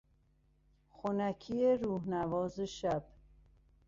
خنکی روحنواز شب